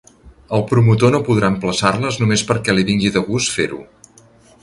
El promotor no podrà emplaçar-les només perquè li vingui de gust fer-ho.